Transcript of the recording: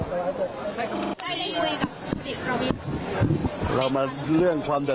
วันนี้ทำให้ราชาธิกษาได้พอ